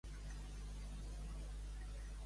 Dimecres na Mar i en Nil iran al metge.